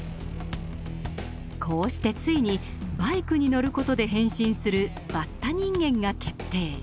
こうしてついにバイクに乗る事で変身するバッタ人間が決定。